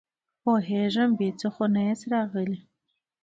پوهېږم، بې څه خو نه ياست راغلي!